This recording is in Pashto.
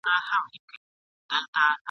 دوی باید له خپلو حقونو خبر سي.